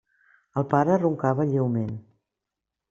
El pare roncava lleument.